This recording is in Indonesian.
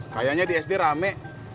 kayaknya di sd rame